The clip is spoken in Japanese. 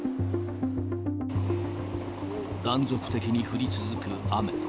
断続的に降り続く雨。